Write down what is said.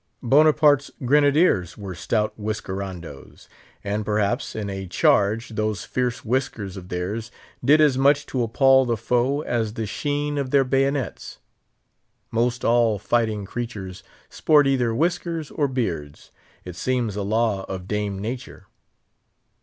Bonaparte's grenadiers were stout whiskerandoes; and perhaps, in a charge, those fierce whiskers of theirs did as much to appall the foe as the sheen of their bayonets. Most all fighting creatures sport either whiskers or beards; it seems a law of Dame Nature.